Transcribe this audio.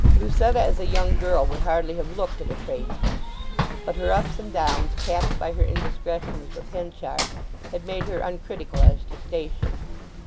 Lucetta as a young girl would hardly have looked at a tradesman. But her ups and downs, capped by her indiscretions with Henchard had made her uncritical as to station.